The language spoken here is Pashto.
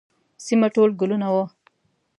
سیمه ټول ګلونه وه.